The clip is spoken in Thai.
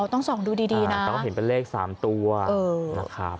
อ่อต้องส่องดูดีน่ะเพื่อเห็นไปเลข๓ตัวครับ